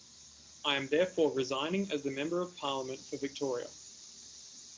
I am therefore resigning as the Member of Parliament for Victoria.